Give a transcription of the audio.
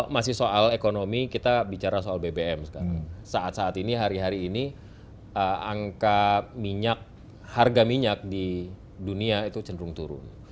masih soal ekonomi kita bicara soal bbm sekarang saat saat ini hari hari ini angka minyak harga minyak di dunia itu cenderung turun